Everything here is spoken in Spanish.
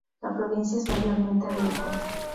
La provincia es mayormente agrícola.